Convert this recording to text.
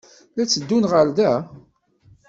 La d-tteddun ɣer da?